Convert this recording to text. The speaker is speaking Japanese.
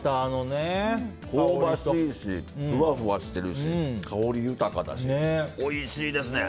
香ばしいしふわふわしてるし香り豊かだし、おいしいですね。